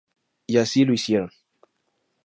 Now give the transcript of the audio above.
Y así lo hicieron.